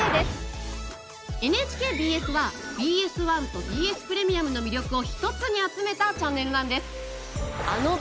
ＮＨＫＢＳはＢＳ１とＢＳプレミアムの魅力を一つに集めたチャンネルなんです。